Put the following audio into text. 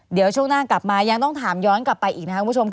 เดี๋ยวช่วงหน้ากลับมายังต้องถามย้อนกลับไปอีกนะครับคุณผู้ชม